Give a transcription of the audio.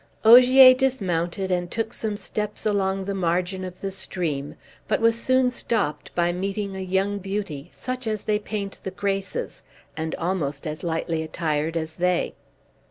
Ogier dismounted and took some steps along the margin of the stream, but was soon stopped by meeting a young beauty, such as they paint the Graces, and almost as lightly attired as they.